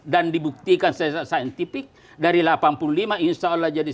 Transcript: dan dibuktikan secara saintifik dari delapan puluh lima insya allah jadi satu ratus dua puluh